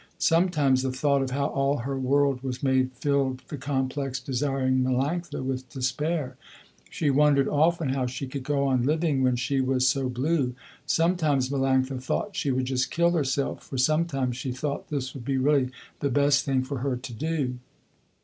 Sometimes the thought of how all her world was made filled the complex, desiring Melanctha with despair. She wondered often how she could go on living when she was so blue. Sometimes Melanctha thought she would just kill herself, for sometimes she thought this would be really the best thing for her to do.